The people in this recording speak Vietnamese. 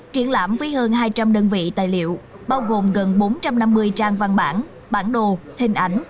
triển lãm với hơn hai trăm linh đơn vị tài liệu bao gồm gần bốn trăm năm mươi trang văn bản bản đồ hình ảnh